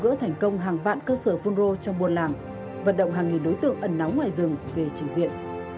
gỡ thành công hàng vạn cơ sở phun rô trong buôn làng vận động hàng nghìn đối tượng ẩn nóng ngoài rừng về trình diện